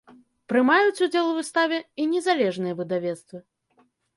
Прымаюць удзел у выставе і незалежныя выдавецтвы.